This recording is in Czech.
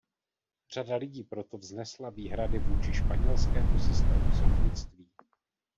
Řada lidí proto vznesla výhrady vůči španělskému systému soudnictví.